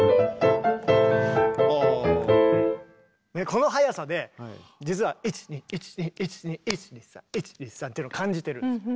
この速さで実は「１２１２１２１２３１２３」っていうのを感じてるんです。